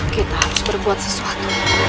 kita harus berbuat sesuatu